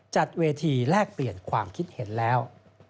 จัดเวทีแลกเปลี่ยนความคิดเห็นแล้ว